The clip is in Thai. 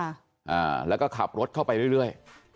อ่าแล้วก็ขับรถเข้าไปเรื่อย